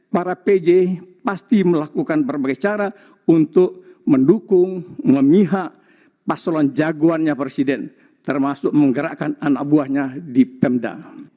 para pj pasti melakukan berbagai cara untuk mendukung memihak paselon jagoannya presiden termasuk menggerakkan anak buahnya di pemda